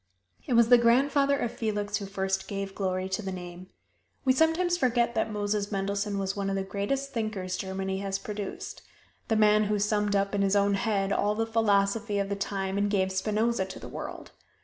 It was the grandfather of Felix who first gave glory to the name. We sometimes forget that Moses Mendelssohn was one of the greatest thinkers Germany has produced the man who summed up in his own head all the philosophy of the time and gave Spinoza to the world.